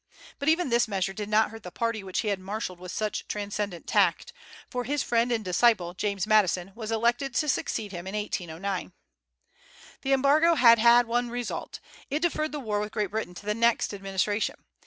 But even this measure did not hurt the party which he had marshalled with such transcendent tact; for his friend and disciple, James Madison, was elected to succeed him in 1809. The Embargo had had one result: it deferred the war with Great Britain to the next administration.